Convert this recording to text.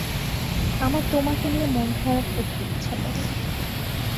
আমার তোমাকে নিয়ে মন খারাপ করতে ইচ্ছা করে।